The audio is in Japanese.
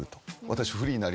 私。